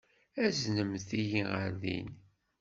Aznemt-iyi ɣer din.